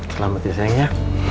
selamat ya sayang ya